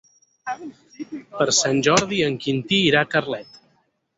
Per Sant Jordi en Quintí irà a Carlet.